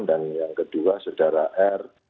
dan yang kedua sudara r